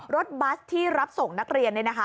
รถบัสที่รับส่งนักเรียน